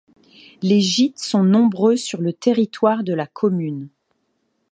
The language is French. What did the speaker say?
Les gîtes sont nombreux sur le territoire de la commune.